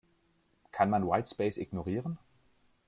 Kann man Whitespace ignorieren?